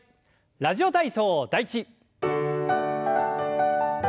「ラジオ体操第１」。